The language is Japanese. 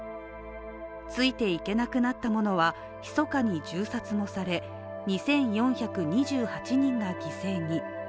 ついて行けなくなったものはひそかに銃殺もされ、２４２８人が犠牲に。